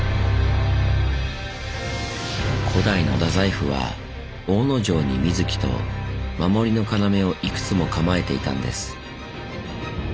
古代の大宰府は大野城に水城と守りの要をいくつも構えていたんです。